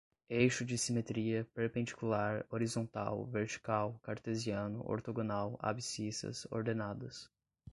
eixo de simetria, perpendicular, horizontal, vertical, cartesiano, ortogonal, abcissas, ordenadas